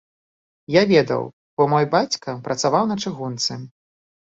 Я ведаў, бо мой бацька працаваў на чыгунцы.